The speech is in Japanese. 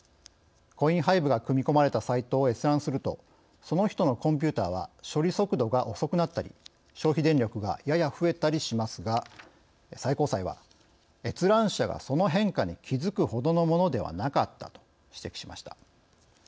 コインハイブが組み込まれたサイトを閲覧するとその人のコンピューターは処理速度が遅くなったり消費電力がやや増えたりしますが最高裁は、閲覧者がその変化に気付くほどのものではなかったと指摘しました。